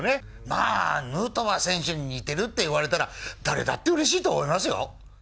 まあ、ヌートバー選手に似てるっていわれたら、誰だってうれしいと思いますよ。